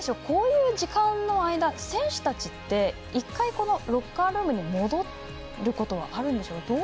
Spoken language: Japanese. こういう時間の間選手たちって、一回ロッカールームに戻ることはあるんですか？